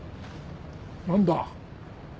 何だ？